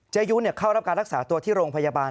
ยุเข้ารับการรักษาตัวที่โรงพยาบาล